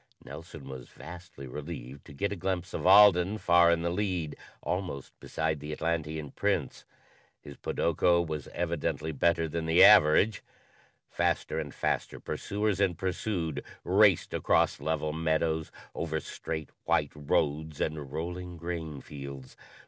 Nelson was vastly relieved to get a glimpse of Alden far in the lead, almost beside the Atlantean Prince. His podoko was evidently better than the average. Faster and faster pursuers and pursued raced across level meadows, over straight, white roads and rolling grain fields.